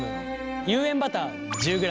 有塩バター１０ｇ。